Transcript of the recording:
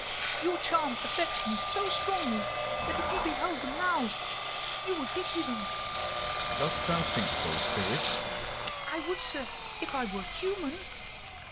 Your charm affects them so strongly that if you beheld them now you would pity them." "Dost thou think so, spirit?" "I would, sir, if I were human."